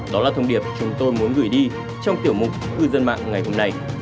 đó là thông điệp chúng tôi muốn gửi đi trong tiểu mục cư dân mạng ngày hôm nay